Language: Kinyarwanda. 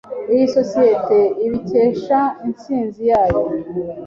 Iyi sosiyete ibikesha intsinzi yayo.